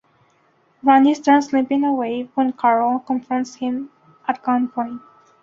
Randy starts limping away when Carol confronts him at gunpoint.